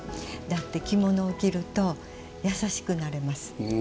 だって、着物を着ると優しくなれます。